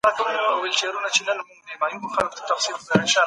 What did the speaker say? ملي ګټې باید تر پښو لاندې نه سي.